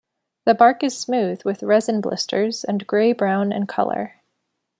The bark is smooth with resin blisters and grey-brown in colour.